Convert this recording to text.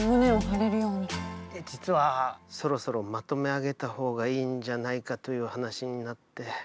実はそろそろまとめ上げたほうがいいんじゃないかという話になって。